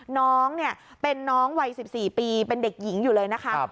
น้องเนี่ยเป็นน้องวัยสิบสี่ปีเป็นเด็กหญิงอยู่เลยนะคะ